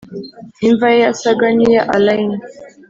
imva ye yasaga niya allayne.